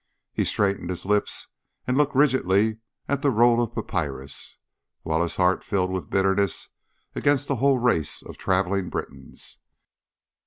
He straightened his lips and looked rigidly at the roll of papyrus, while his heart filled with bitterness against the whole race of travelling Britons.